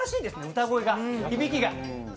歌声が、響きが。